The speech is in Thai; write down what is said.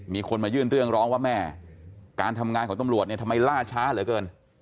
มีคนมายื่นเรื่องร้องว่าแม่การทำงานของตำรวจเนี่ยทำไมล่าช้าเหลือเกิน